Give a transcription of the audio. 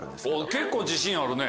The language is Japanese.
結構自信あるね。